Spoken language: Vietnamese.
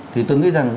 thì tôi nghĩ rằng